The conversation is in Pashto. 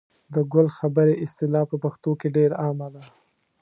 د ګل خبرې اصطلاح په پښتو کې ډېره عامه ده.